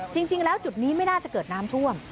จริงแล้วจุดนี้ไม่น่าจะเกิดน้ำท่วม